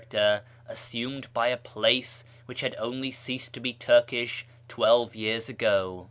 iracter assumed by a place which had only ceased to be Turkish twelve years a^i^o.